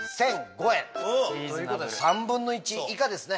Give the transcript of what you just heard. ということで３分の１以下ですね。